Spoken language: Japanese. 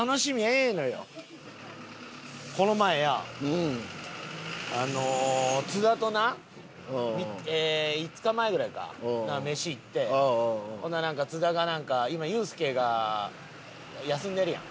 この前やあの津田とな５日前ぐらいか飯行ってほんなら津田がなんか今ユースケが休んでるやん。